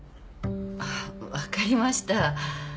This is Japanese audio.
あっ分かりました。